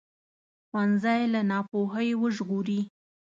ښوونځی له ناپوهۍ وژغوري